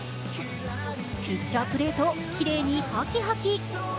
ピッチャープレートをきれいにはきはき。